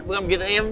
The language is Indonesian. bukan begitu im